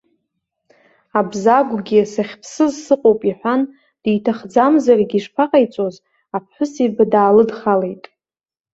Абзагәгьы, сахьԥсыз сыҟоуп, иҳәан, диҭахӡамзаргьы, ишԥаҟаиҵоз, аԥҳәысеиба даалыдхалеит.